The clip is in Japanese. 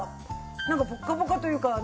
なんかポッカポカというか。